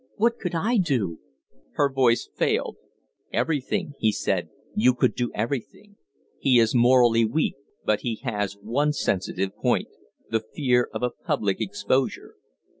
What could I do?" Her voice failed. "Everything," he said, "you could do everything. He is morally weak, but he has one sensitive point the fear of a public exposure.